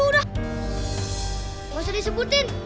gak usah disebutin